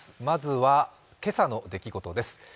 まずは、今朝の出来事です。